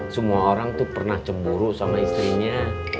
semua orang tuh pernah cemburu sama istrinya